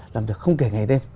làm việc không kể ngày đêm